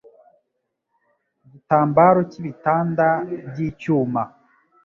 Ku gitambaro cy'ibitanda by'icyuma